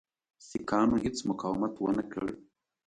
سیکهانو هیڅ مقاومت ونه کړ.